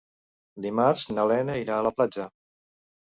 Dimarts na Lena irà a la platja.